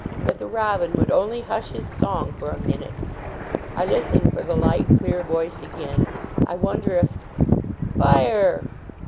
If the robin would only hush his song for a minute ! I listen for the light, clear voice again. I wonder if " Fire!"